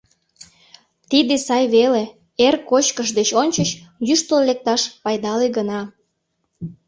Тиде сай веле — эр кочкыш деч ончыч йӱштыл лекташ пайдале гына.